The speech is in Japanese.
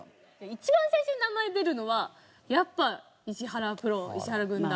一番最初に名前出るのはやっぱ石原プロ石原軍団。